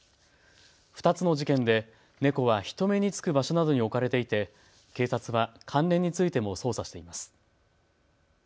２つの事件で猫は人目に付く場所などに置かれていて警察は関連についても捜査しています。